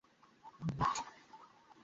কিন্তু অধিকাংশ মানুষ এটি অবগত নয়।